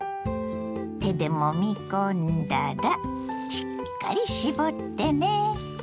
手でもみ込んだらしっかり絞ってね。